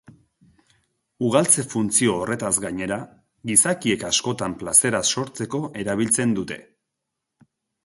Ugaltze funtzio horretaz gainera, gizakiek askotan plazera sortzeko erabiltzen dute.